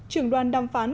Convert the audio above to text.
trưởng đoàn đàm phán